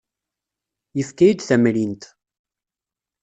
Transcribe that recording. Yefka-iyi-d tamrint.